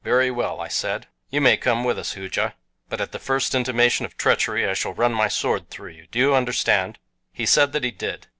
"Very well," I said, "you may come with us, Hooja; but at the first intimation of treachery I shall run my sword through you. Do you understand?" He said that he did.